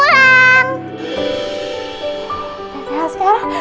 bebas sekarang dateng